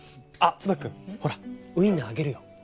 あっ椿くんほらウィンナーあげるよ。